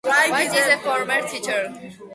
White is a former teacher.